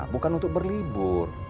bukan untuk berlibur